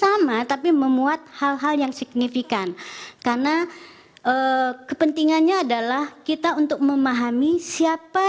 sama tapi memuat hal hal yang signifikan karena kepentingannya adalah kita untuk memahami siapa